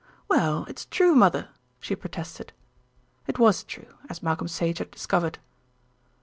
"Well, it's true, mother," she protested. It was true, as Malcolm Sage had discovered.